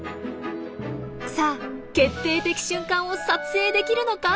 さあ決定的瞬間を撮影できるのか？